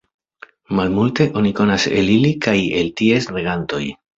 Malmulte oni konas el ili kaj el ties regantoj.